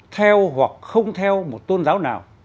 theo hoặc không theo một tôn giáo nào